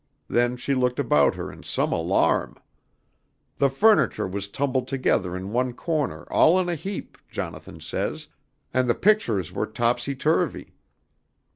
Then she looked about her in some alarm. "The furniture was tumbled together in one corner all in a heap, Jonathan says, and the pictures were topsy turvy.